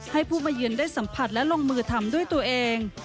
ให้ผู้มาเยือนได้สัมผัสและลงมือทำด้วยตัวเอง